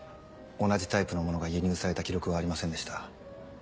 同じタイプのものが輸入された記録はありませんでした。